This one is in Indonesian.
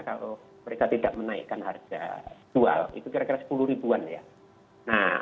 kalau mereka tidak menaikkan harga jual itu kira kira sepuluh ribuan ya